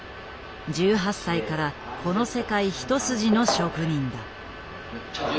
１８歳からこの世界一筋の職人だ。